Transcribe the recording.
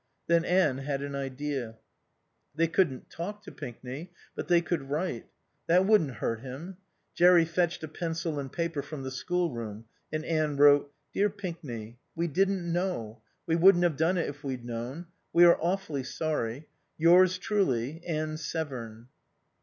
Then Anne had an idea. They couldn't talk to Pinkney but they could write. That wouldn't hurt him. Jerry fetched a pencil and paper from the schoolroom; and Anne wrote. Dear Pinkney: We didn't know. We wouldn't have done it if we'd known. We are awfully sorry. Yours truly, ANNE SEVERN.